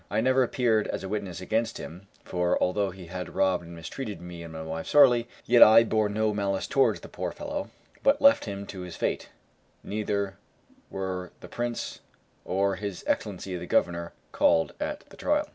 I never appeared as a witness against him, for although he had robbed and mistreated me and my wife sorely, yet I bore no malice towards the poor fellow, but left him to his fate; neither were the Prince or His Excellency the Governor called at the trial.